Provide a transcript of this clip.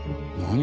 何？